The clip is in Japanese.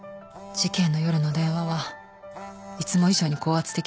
事件の夜の電話はいつも以上に高圧的でした。